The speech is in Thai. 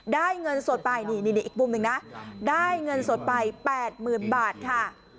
ได้เงินสดไป๘หมื่นบาทค่ะ